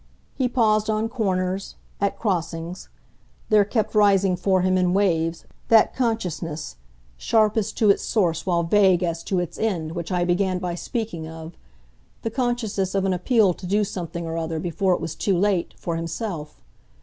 He paused on corners, at crossings; there kept rising for him, in waves, that consciousness, sharp as to its source while vague as to its end, which I began by speaking of the consciousness of an appeal to do something or other, before it was too late, for himself.